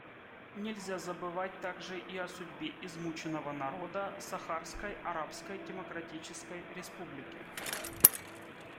Нельзя забывать также и о судьбе измученного народа Сахарской Арабской Демократической Республики.